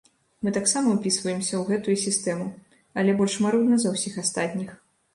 Мы таксама ўпісваемся ў гэтую сістэму, але больш марудна за ўсіх астатніх.